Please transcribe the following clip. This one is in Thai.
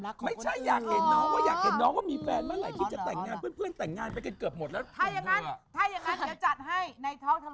ถ้าอย่างนั้น